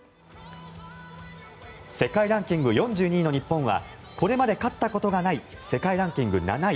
世界ランキング４２位の日本はこれまで勝ったことがない世界ランキング７位